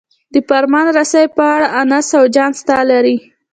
د فرمان رسۍ په غاړه انس او جان ستا لري.